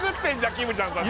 きむちゃんさん